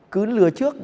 cứ lừa trước